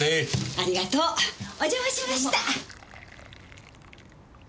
ありがとう！お邪魔しました。